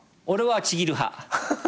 俺はちぎる派。